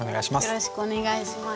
よろしくお願いします。